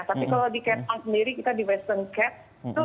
tapi kalau di kepton sendiri kita di western cape